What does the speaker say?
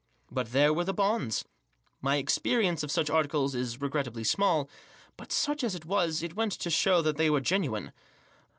But there were the bonds. My experience of such articles is regrettedly small; but, such as it was, it went to show that they were genuine.